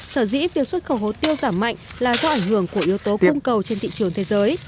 sở dĩ việc xuất khẩu hồ tiêu giảm mạnh là do ảnh hưởng của yếu tố cung cầu trên thị trường thế giới